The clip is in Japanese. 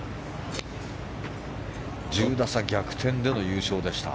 １０打差、逆転での優勝でした。